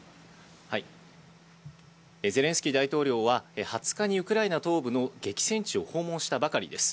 ゼレンスキー大統領は２０日にウクライナ東部の激戦地を訪問したばかりです。